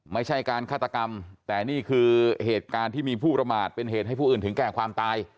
ไม่ใช่การฆาตกรรมแต่นี่คือเหตุการณ์ที่มีผู้ประมาทเป็นเหตุให้ผู้อื่นถึงแก่ความตาย